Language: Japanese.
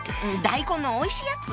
大根のおいしいやつ。